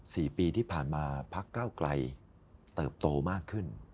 สี่ปีที่ผ่านมาพักเก้าไกลเติบโตมากขึ้น